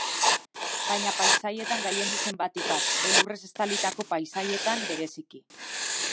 Baina paisaietan gailendu zen batik bat, elurrez estalitako paisaietan bereziki.